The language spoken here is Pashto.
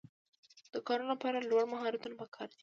د کارونو لپاره لوړ مهارتونه پکار دي.